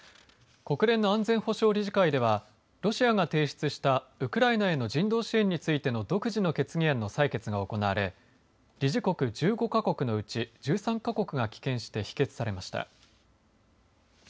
国連の安全保障理事会ではロシアが提出したウクライナへの人道支援についての独自の決議案の採決が行われ、理事国１５か国のうち１３か国が棄権して否決されました。